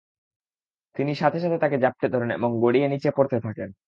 তিনি সাথে সাথে তাকে জাপ্টে ধরেন এবং গড়িয়ে নিচে পড়তে থাকেন।